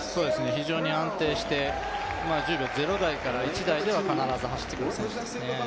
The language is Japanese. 非常に安定して、１０秒０台から１台では走ってくる選手ですね。